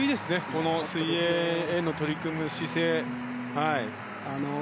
この水泳へ取り組む姿勢。